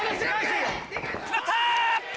決まった！